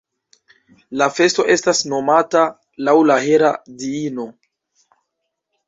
La festo estas nomata laŭ la Hera diino.